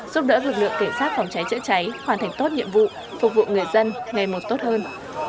giúp đỡ lực lượng cảnh sát phòng cháy chữa cháy hoàn thành tốt nhiệm vụ phục vụ người dân ngày một tốt hơn